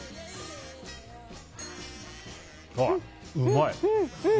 うまい！